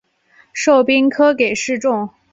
授兵科给事中。